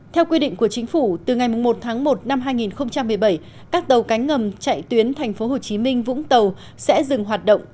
theo quy định của chính phủ từ ngày một tháng một năm hai nghìn một mươi bảy các tàu cánh ngầm chạy tuyến tp hcm vũng tàu sẽ dừng hoạt động